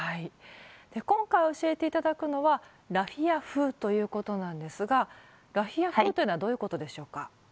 今回教えて頂くのはラフィア風ということなんですがラフィア風というのはどういうことでしょうか？